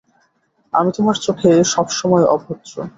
আমি তোমার চোখে সবসময় অভদ্র।